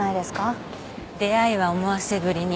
出会いは思わせぶりに。